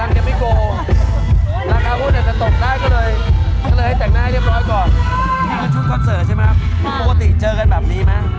นี่ก็ชุดคอนเสริมใช่มั้ยปกติเจอกันแบบนี้ไหม